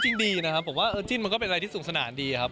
จริงดีนะครับผมว่าเออจิ้นมันก็เป็นอะไรที่สนุกสนานดีครับ